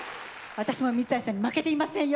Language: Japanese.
私も水谷さんに負けていませんよ！